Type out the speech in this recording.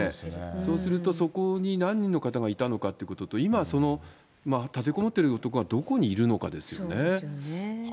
そうすると、そこに何人の方がいたのかっていうことと、今、立てこもっている男がどこにいるのかですよね。